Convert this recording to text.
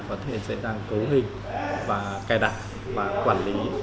có thể dễ dàng cấu hình và cài đặt và quản lý